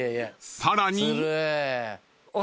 ［さらに］